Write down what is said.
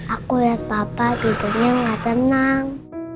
aku liat papa tidurnya gak tenang